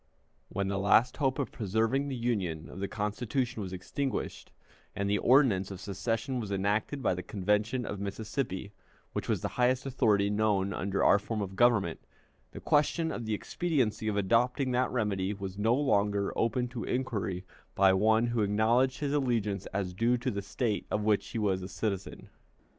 When the last hope of preserving the Union of the Constitution was extinguished, and the ordinance of secession was enacted by the Convention of Mississippi, which was the highest authority known under our form of government, the question of the expediency of adopting that remedy was no longer open to inquiry by one who acknowledged his allegiance as due to the State of which he was a citizen.